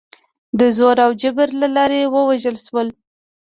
د زور او جبر له لارې ووژل شول.